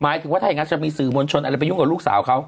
ถึงว่าถ้าอย่างนั้นจะมีสื่อมวลชนอะไรไปยุ่งกับลูกสาวเขา